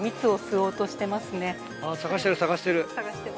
探してる探してる。